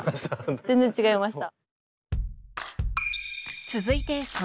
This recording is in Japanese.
全然違いました。